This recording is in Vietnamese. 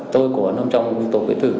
tôi cũng nằm trong tổ quyết tử